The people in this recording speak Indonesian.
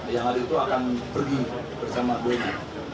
yang hari itu akan pergi bersama boeing